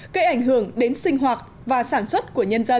gây ảnh hưởng đến sinh hoạt và sản xuất của nhân dân